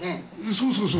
そうそうそうそう。